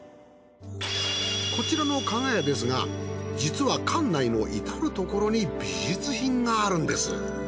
こちらの加賀屋ですが実は館内のいたるところに美術品があるんです。